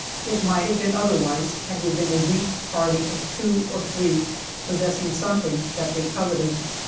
It might have been otherwise, had we been a weak party of two or three possessing something that they coveted.